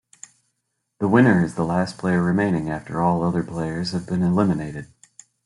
The winner is the last player remaining after all other players have been eliminated.